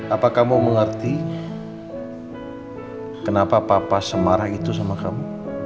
apakah kamu mengerti kenapa papa semarah itu sama kamu